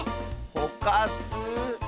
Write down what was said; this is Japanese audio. ほかす。